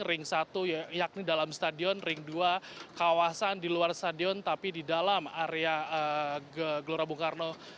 ring satu yakni dalam stadion ring dua kawasan di luar stadion tapi di dalam area gelora bung karno